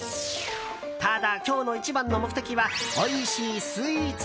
ただ、今日の一番の目的はおいしいスイーツ！